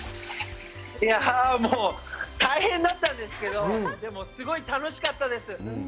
いやもう、大変だったんですけど、すごい楽しかったです。